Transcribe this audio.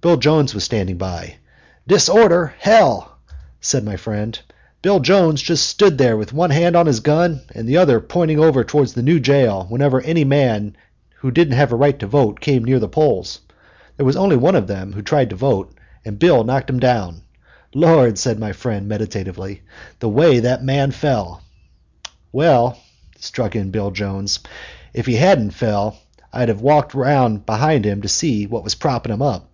Bill Jones was standing by. "Disorder hell!" said my friend. "Bill Jones just stood there with one hand on his gun and the other pointing over toward the new jail whenever any man who didn't have a right to vote came near the polls. There was only one of them tried to vote, and Bill knocked him down. Lord!" added my friend, meditatively, "the way that man fell!" "Well," struck in Bill Jones, "if he hadn't fell I'd have walked round behind him to see what was propping him up!"